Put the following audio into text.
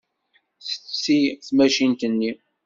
Tetti tmacint-nni.